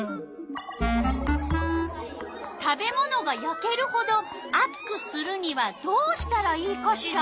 食べ物がやけるほどあつくするにはどうしたらいいかしら？